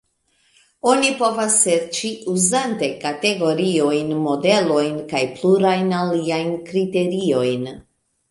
Oni povas serĉi, uzante kategoriojn, modelojn kaj plurajn aliajn kriteriojn.